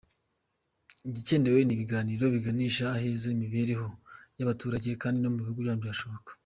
Igikenewe ni ibiganiro biganisha heza imibereho y’abaturage kandi no mu bihugu byanyu byashoboka.